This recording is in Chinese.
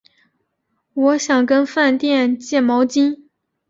我想跟饭店借毛巾